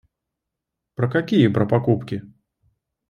Про какие про покупки?